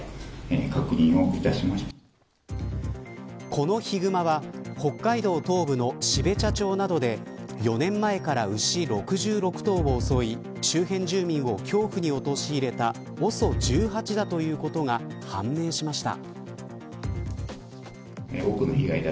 このヒグマは北海道東部の標茶町などで４年前から牛６６頭を襲い周辺住民を恐怖に陥れたＯＳＯ１８だということが判明しました。